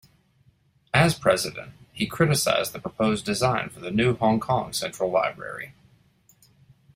As president, he criticised the proposed design for the new Hong Kong Central Library.